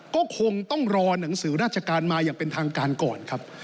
ก็คงต้องรอหนังสือราชการมาอย่างเป็นทางการก่อนครับ